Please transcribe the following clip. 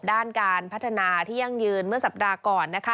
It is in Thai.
ด้านการพัฒนาที่ยั่งยืนเมื่อสัปดาห์ก่อนนะคะ